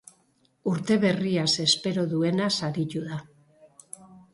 Urte berriaz espero duenaz aritu da.